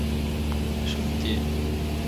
后屡试不第。